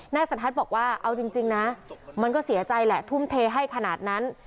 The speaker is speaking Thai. นายสันทัศน์บอกว่าเอาจริงนะมันก็เสียใจแหละทุ่มเทให้ขนาดนั้น